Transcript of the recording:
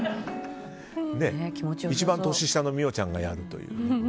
一番年下の美桜ちゃんがやるという。